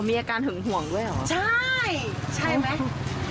มีอาการหึงห่วงด้วยเหรอใช่ใช่ไหม